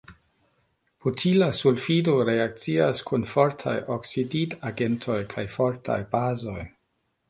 Butila sulfido reakcias kun fortaj oksidigagentoj kaj fortaj bazoj.